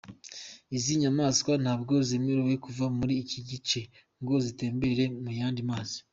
Izi nyamaswa ntabwo zemerewe kuva muri iki gice ngo zitembere mu yandi mazi.